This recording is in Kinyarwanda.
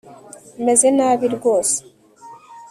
Meze nabi rwose